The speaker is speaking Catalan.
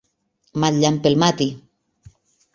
Mal llamp el mati!